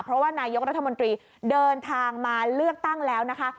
เพราะว่านายกรัฐมนตรีเดินทางมาเลือกตั้งแล้วนะคะ